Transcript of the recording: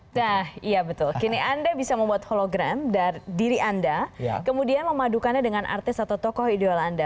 nah iya betul kini anda bisa membuat hologram dari diri anda kemudian memadukannya dengan artis atau tokoh ideal anda